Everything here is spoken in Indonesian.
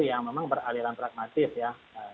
yang memang beraliran pragmatis ya